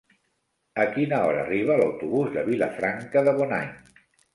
A quina hora arriba l'autobús de Vilafranca de Bonany?